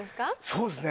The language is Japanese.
そうですね。